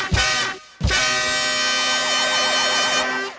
อร่อยในเมืองพัทยากันต่อค่ะ